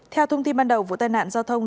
theo thông tin ban đầu vụ tai nạn giao thông